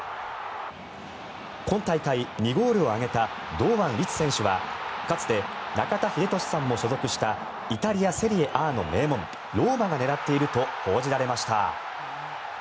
今大会、２ゴールを挙げた堂安律選手はかつて、中田英寿さんも所属したイタリア・セリエＡの名門ローマが狙っていると報じられました。